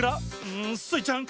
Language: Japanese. うん。